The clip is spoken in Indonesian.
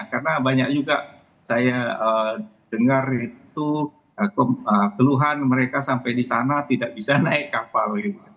karena banyak juga saya dengar itu keluhan mereka sampai di sana tidak bisa naik kapal